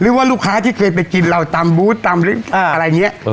หรือว่าลูกค้าที่เคยไปกินเราตามบูธตามอะไรเงี้ย